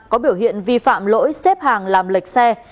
có biểu hiện vi phạm lỗi xếp hàng làm lệch xe